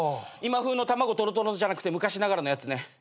今風の卵とろとろのじゃなくて昔ながらのやつね。